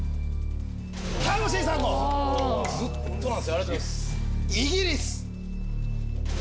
ありがとうございます。